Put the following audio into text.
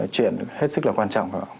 chuyện hết sức là quan trọng